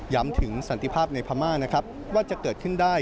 ย้ำถึงสันติภาพในพม่าว่าจะเกิดขึ้นได้